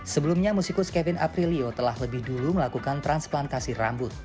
sebelumnya musikus kevin aprilio telah lebih dulu melakukan transplantasi rambut